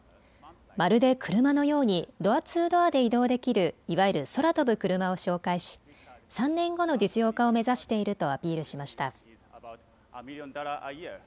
まるで車のようにドア・ツー・ドアで移動できるいわゆる空飛ぶ車を紹介し３年後の実用化を目指しているとアピールしました。